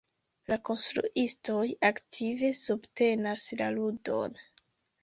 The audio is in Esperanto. La konstruistoj aktive subtenas la ludon.